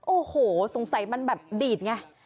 โอ้โหสงสัยมันแบบดีดไง